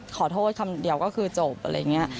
ขอโทษคำเดียวก็คือจบอะไรอย่างนี้